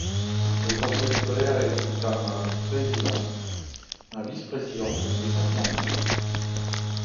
Le conseil scolaire a un président, un vice-président, et cinq membres.